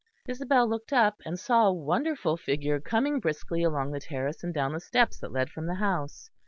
Isabel looked up, and saw a wonderful figure coming briskly along the terrace and down the steps that led from the house.